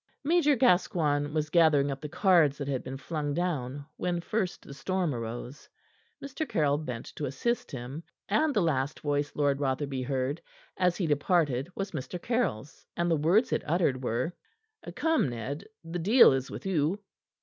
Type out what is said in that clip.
Major Gascoigne was gathering up the cards that had been flung down when first the storm arose. Mr. Caryll bent to assist him. And the last voice Lord Rotherby heard as he departed was Mr. Caryll's, and the words it uttered were: "Come, Ned; the deal is with you."